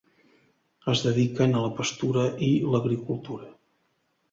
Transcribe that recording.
Es dediquen a la pastura i l'agricultura.